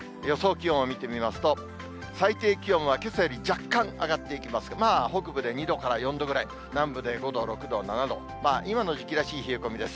気温を見てみますと、最低気温はけさより若干上がっていきますが、北部で２度から４度ぐらい、南部で５度、６度、７度、今の時期らしい冷え込みです。